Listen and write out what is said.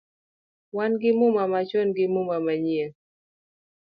Wan gi muma machon gi muma manyien